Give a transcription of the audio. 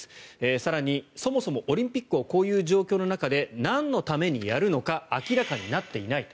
更に、そもそもオリンピックをこういう状況の中でなんのためにやるのか明らかになっていないと。